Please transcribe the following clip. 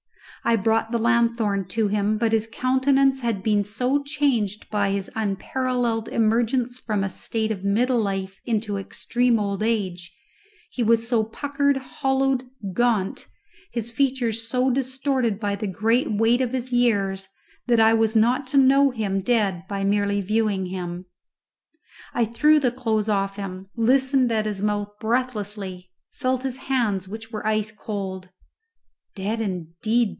I brought the lanthorn to him, but his countenance had been so changed by his unparalleled emergence from a state of middle life into extreme old age, he was so puckered, hollowed, gaunt, his features so distorted by the great weight of his years that I was not to know him dead by merely viewing him. I threw the clothes off him, listened at his mouth breathlessly, felt his hands, which were ice cold. Dead indeed!